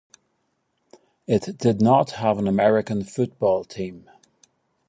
It did not have an American football team.